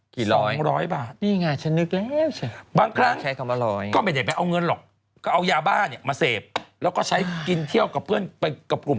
กี่ร้อยนี่ไงฉันนึกแล้วใช่ไหม